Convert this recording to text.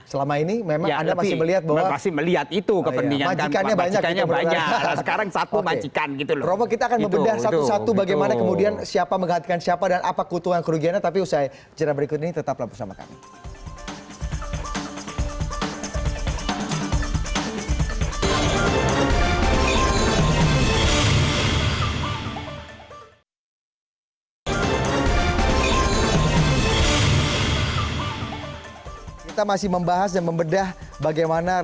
selama ini memang anda masih melihat bahwa